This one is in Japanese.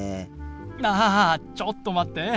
あちょっと待って。